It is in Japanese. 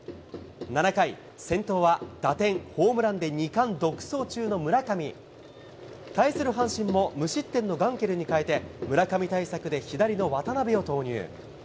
７回、先頭は打点、ホームランで二冠独走中の村上。対する阪神も、無失点のガンケルにかえて、村上対策で左の渡邉を投入。